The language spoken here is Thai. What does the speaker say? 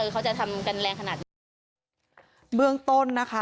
ขอโทษนะคะ